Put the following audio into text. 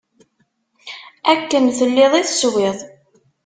Akken telliḍ i teswiḍ.